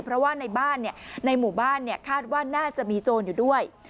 เพราะว่าในบ้านในหมู่บ้านคาดว่าน่าจะมีโจรอยู่ด้วย